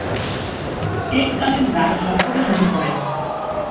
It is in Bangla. এক কালীন রাজা সংকটের মুখে পড়েন।